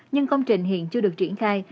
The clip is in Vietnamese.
nhưng công trình hiện chưa được triển khai